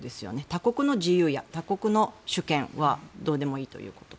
他国の自由や他国の主権はどうでもいいということ。